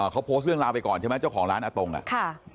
เขาโพสต์เรื่องราวไปก่อนใช่ไหมเจ้าของร้านอาตงอ่ะค่ะ